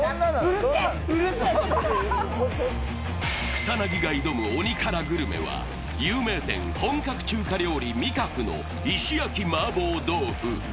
草薙が挑む鬼辛グルメは有名店本格中華料理・味覚の石焼麻婆豆腐。